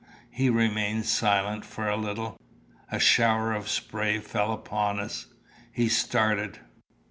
He remained silent for a little. A shower of spray fell upon us. He started.